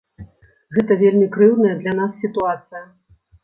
Гэта вельмі крыўдная для нас сітуацыя.